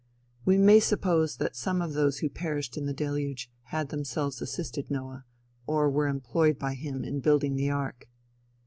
"We may suppose that some of those who perished in the deluge had themselves assisted Noah, or were employed by him in building the ark.